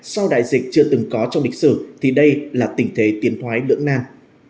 sau đại dịch chưa từng có trong lịch sử thì đây là tình thế tiền thoái lưỡng nan